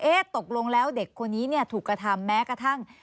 ตกลงแล้วเด็กคนนี้ถูกกระทำแม้กระทั่ง